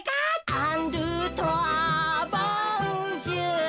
「アンドゥトロワボンジュール」